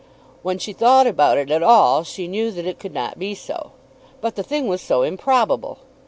When she thought about it at all, she knew that it could not be so. But the thing was so improbable!